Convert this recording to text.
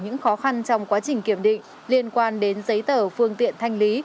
những khó khăn trong quá trình kiểm định liên quan đến giấy tờ phương tiện thanh lý